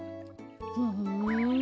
ふん。